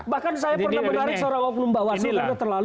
bahkan saya pernah menarik seorang oknum bawaslu karena terlalu